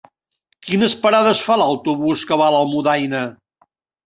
Quines parades fa l'autobús que va a Almudaina?